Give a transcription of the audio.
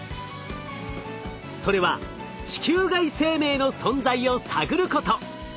それは地球外生命の存在を探ること。